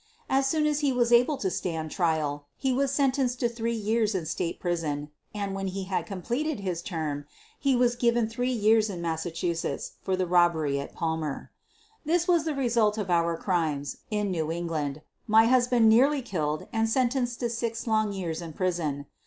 As soon as he was able to stand trial he was sentenced to three years in State prison, and, when he had completed this term, he was given threa years in Massachusetts for the robbery at Palmer, This was the result of our crimes in New England — my husband nearly killed and sentenced to six long years in prison.